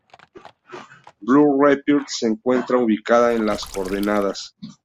Blue Rapids se encuentra ubicada en las coordenadas.